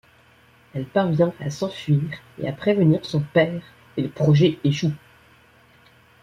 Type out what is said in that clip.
Elle parvient à s'enfuir et à prévenir son père, et le projet échoue.